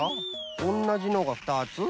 おんなじのが２つ？